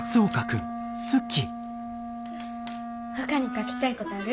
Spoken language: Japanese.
ほかに書きたいことある？